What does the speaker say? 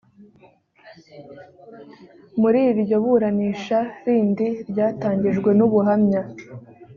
muri iryo buranisha rindi ryatangijwe n’ubuhamya